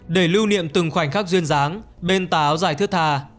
để lưu niệm từng khoảnh khắc duyên dáng bên tà áo dài thước thà